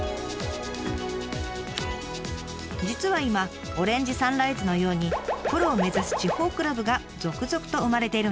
実は今オレンジサンライズのようにプロを目指す地方クラブが続々と生まれているんです。